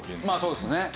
まあそうですね。